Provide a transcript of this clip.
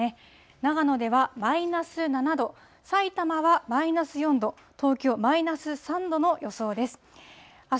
長野ではマイナス７度、さいたまはマイナス４度、東京マイナス３度の予想です。